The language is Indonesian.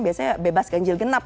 biasanya bebas ganjil genap